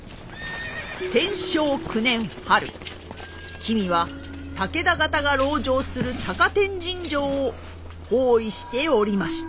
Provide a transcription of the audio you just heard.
君は武田方が籠城する高天神城を包囲しておりました。